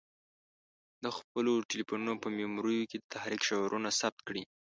د خپلو تلیفونو په میموریو کې د تحریک شعرونه ثبت کړي.